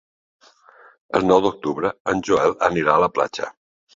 El nou d'octubre en Joel anirà a la platja.